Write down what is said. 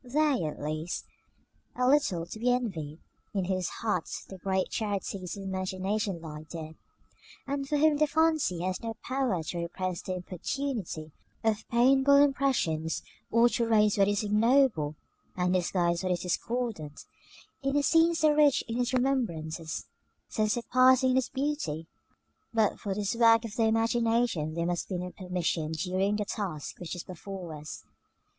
They, at least, are little to be envied, in whose hearts the great charities of the imagination lie dead, and for whom the fancy has no power to repress the importunity of painful impressions, or to raise what is ignoble, and disguise what is discordant, in a scene so rich in its remembrances, so surpassing in its beauty. But for this work of the imagination there must be no permission during the task which is before us.